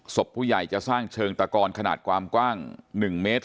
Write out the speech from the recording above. ศพผู้ใหญ่จะสร้างเชิงตะกอนขนาดความกว้าง๑เมตร